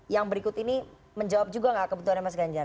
yang berikut ini menjawab juga nggak kebutuhannya mas ganjar